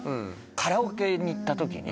カラオケに行ったときに。